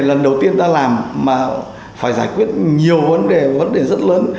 lần đầu tiên ta làm mà phải giải quyết nhiều vấn đề vấn đề rất lớn